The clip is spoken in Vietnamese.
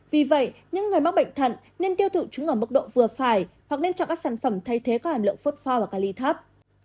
vì vậy những người mắc bệnh thận nên tiêu thụ chúng ở mức độ vừa phải hoặc nên chọn các sản phẩm thay thế có hàm lượng photfor và cali thấp